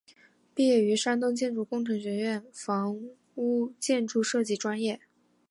毕业于山东建筑工程学院房屋建筑设计专业。